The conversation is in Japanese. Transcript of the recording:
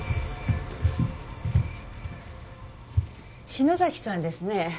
篠崎さんですね？